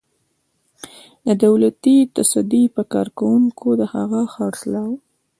د دولتي تصدۍ په کارکوونکو د هغه خرڅلاو.